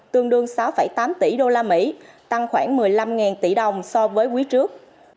tương đương sáu tám tỷ đô la mỹ tăng khoảng một mươi năm tỷ đồng so với quý trước